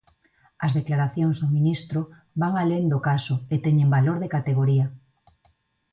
As declaracións do ministro van alén do caso e teñen valor de categoría.